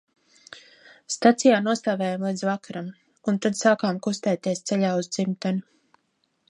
Stacijā nostāvējām līdz vakaram un tad sākām kustēties ceļā uz dzimteni.